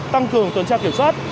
tăng cường tuần tra kiểm soát